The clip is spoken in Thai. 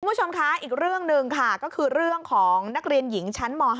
คุณผู้ชมคะอีกเรื่องหนึ่งค่ะก็คือเรื่องของนักเรียนหญิงชั้นม๕